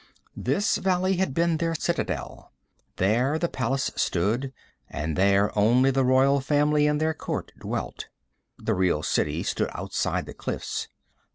This valley had been their citadel. There the palace stood, and there only the royal family and their court dwelt. The real city stood outside the cliffs.